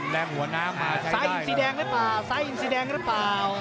แรงหัวน้ำมาใช้ได้สายอิ่มสีแดงแล้วป่าวสายอิ่มสีแดงแล้วป่าว